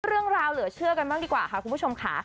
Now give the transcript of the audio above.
เรื่องราวเหลือเชื่อกันมากดีกว่าค่ะคุณผู้ชมค่ะ